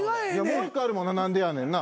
もう１個あるもんな「なんでやねん」な。